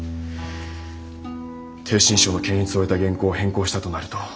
逓信省の検閲を終えた原稿を変更したとなると。